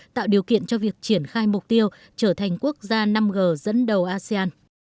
tạo điều kiện cho việc triển khai mục tiêu trở thành quốc gia năm g dẫn đầu asean